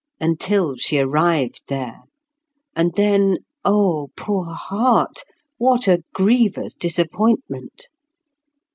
Until she arrived there—and then, oh, poor heart, what a grievous disappointment!